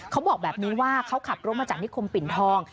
เขาบอกแบบนี้ว่าเขาขับรถมาจากนิคมปิ่นทอง